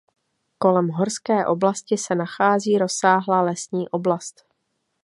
Kolem horské oblasti se nachází rozsáhlá lesní oblast.